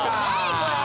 これ！